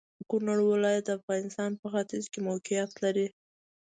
کونړ ولايت د افغانستان په ختيځ کې موقيعت لري.